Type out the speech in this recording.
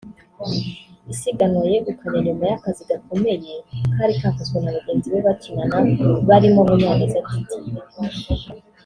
isiganwa yegukanye nyuma y’akazi gakomeye kari kakozwe na bagenzi be bakinana barimo Munyaneza Didier